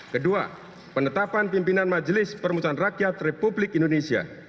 kedua penetapan pimpinan majelis permusuhan rakyat republik indonesia